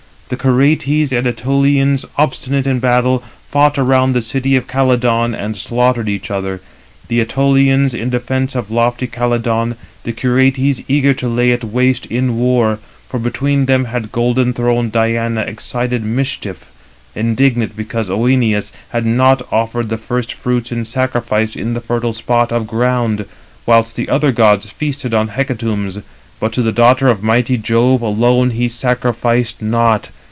The Curetes and Ætolians, obstinate in battle, fought around the city of Calydon, and slaughtered each other; the Ætolians, in defence of lofty Calydon, the Curetes, eager to lay it waste in war; for between them had golden throned Diana excited mischief, indignant because Œneus had not offered the first fruits in sacrifice in the fertile spot of ground: 319 whilst the other gods feasted on hecatombs, but to the daughter of mighty Jove alone he sacrificed not.